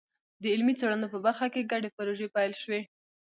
د علمي څېړنو په برخه کې ګډې پروژې پیل شوي.